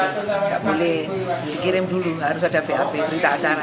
tidak boleh dikirim dulu harus ada bap berita acara